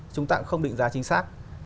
chúng ta cũng không định giá chính xác